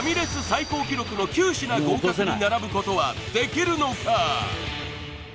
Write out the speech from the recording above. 最高記録の９品合格に並ぶことはできるのか？